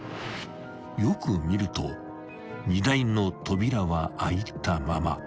［よく見ると荷台の扉は開いたまま］